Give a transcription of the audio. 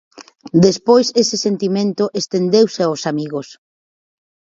Despois ese sentimento estendeuse aos amigos.